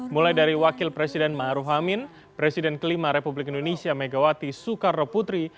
mulai dari wakil presiden ⁇ maruf ⁇ amin presiden kelima republik indonesia megawati soekarno putri